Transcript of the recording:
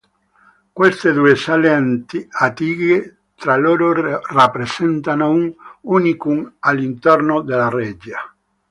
Queste due sale attigue tra loro, rappresentano un unicum all'interno della reggia.